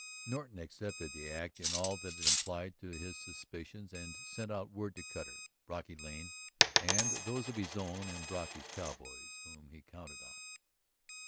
Norton accepted the act in all that it implied to his suspicions and sent out word to Cutter, Brocky Lane, and those of his own and Brocky's cowboys whom he counted on.